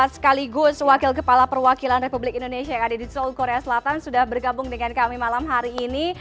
sekaligus wakil kepala perwakilan republik indonesia yang ada di seoul korea selatan sudah bergabung dengan kami malam hari ini